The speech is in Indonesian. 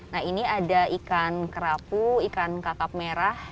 nah ini ada ikan kerapu ikan kakap merah